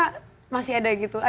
dan saya pikir ketika anda di luar